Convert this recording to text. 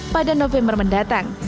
pada november mendatang